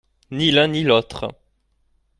Ni l’un ni l’autre.